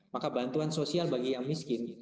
maka bantuan sosial bagi yang miskin